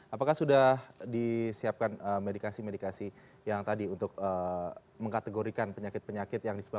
apakah sudah disiapkan medikasi medikasi yang tadi untuk mengkategorikan penyakit penyakit yang disebabkan